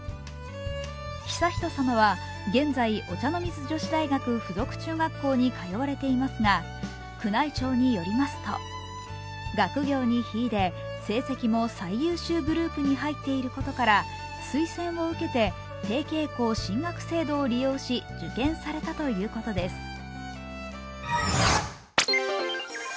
悠仁さまは現在、お茶の水女子大学附属中学校に通われていますが、宮内庁によりますと、学業に秀で、成績も最優秀グループに入っていることから推薦を受けて提携校進学制度を利用し、受験されたということです。